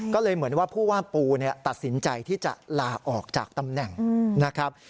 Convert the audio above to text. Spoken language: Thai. ก็เลยเหมือนว่าผู้ว่าปูตัดสินใจที่จะลาออกจากตำแหน่งนะครับ